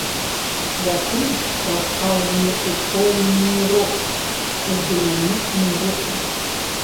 Святы прадстаўлены ў поўны рост, у дынамічным руху.